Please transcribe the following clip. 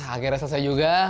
akhirnya selesai juga